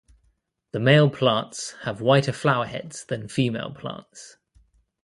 The male plants have whiter flower heads than female plants.